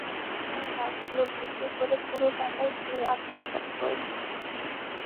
দেড় লাখ টাকায় গাছগুলো বিক্রি করে পুরো টাকাই তিনি আত্মসাৎ করেছেন।